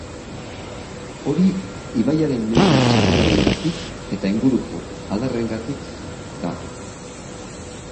Hori ibaiaren neurri txikiarengatik eta inguruko adarrengatik da.